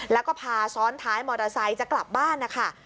แล้วก็พาซ้อนท้ายมอเตอร์ไซค์จะกลับบ้านนะคะ